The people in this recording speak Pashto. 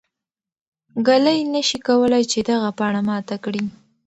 ږلۍ نه شي کولای چې دغه پاڼه ماته کړي.